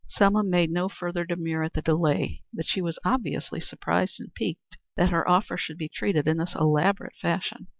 Selma made no further demur at the delay, but she was obviously surprised and piqued that her offer should be treated in this elaborate fashion.